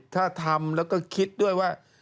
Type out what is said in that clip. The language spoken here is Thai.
ถ้าทำแล้วก็คิดด้วยว่า